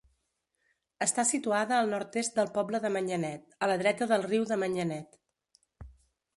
Està situada al nord-est del poble de Manyanet, a la dreta del riu de Manyanet.